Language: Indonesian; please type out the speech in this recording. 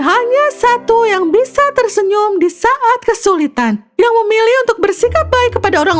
hanya satu yang bisa tersenyum di saat kesulitan yang memilih untuk bersikap baik kepada orang